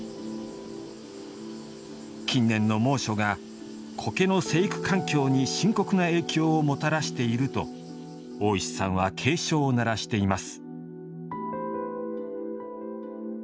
近年の猛暑が苔の生育環境に深刻な影響をもたらしていると大石さんは警鐘を鳴らしています。